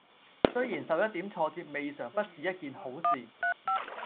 雖然受一點挫折未嘗不是一件好事！